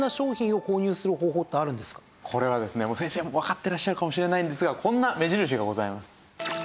これはですね先生もわかってらっしゃるかもしれないんですがこんな目印がございます。